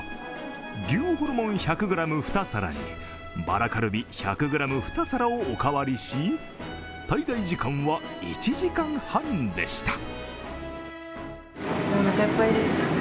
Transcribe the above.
牛ホルモン１００ｇ、２皿にバラカルビ１００ｇ、２皿をおかわりし滞在時間は１時間半でした。